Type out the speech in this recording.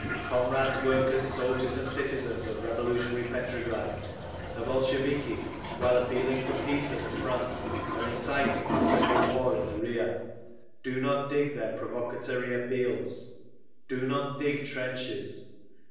Comrades, workers, soldiers and citizens of revolutionary Petrograd! The Bolsheviki, while appealing for peace at the front, are inciting to civil war in the rear. Do not dig their provocatory appeals! Do not dig trenches!